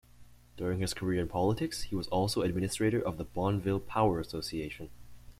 During his career in politics, he was also administrator of the Bonneville Power Association.